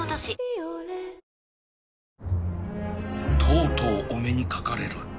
とうとうお目にかかれる